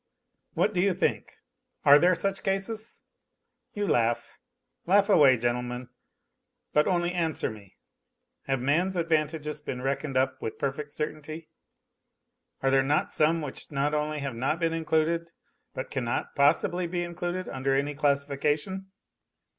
What do you think are there such cases ? You laugh ; laugh away, gen tlemen, but only answer me : have man's advantages been reckoned up with perfect certainty ? Are there not some which not only have not been included but cannot possibly be included under any classification